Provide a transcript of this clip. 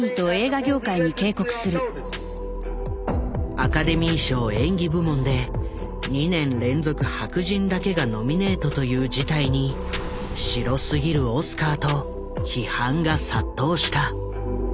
アカデミー賞演技部門で２年連続白人だけがノミネートという事態に「白すぎるオスカー」と批判が殺到した。